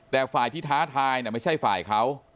แต่ฝ่ายที่ท้าทายไม่ใช่ฝ่ายเขา